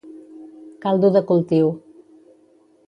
Caldo de cultiu.